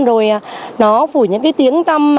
rồi nó phủ những tiếng tâm